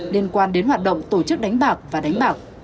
liên quan đến hoạt động tổ chức đánh bạc và đánh bạc